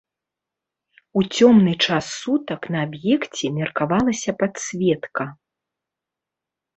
У цёмны час сутак на аб'екце меркавалася падсветка.